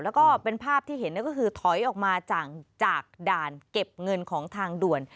แล้วก็เป็นภาพที่เห็นก็คือถอยออกมาจากด่านเก็บเงินของทางด่วน